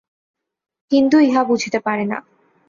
হিন্দু ইহা বুঝিতে পারে না।